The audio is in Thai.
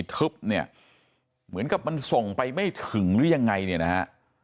แชทมันไม่เป็นสี่ทึบเนี่ยเหมือนกับมันส่งไปไม่ถึงหรือยังไงเนี่ยนะฮะ